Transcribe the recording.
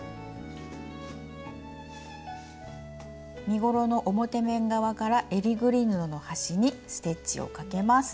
身ごろの表面側からえりぐり布の端にステッチをかけます。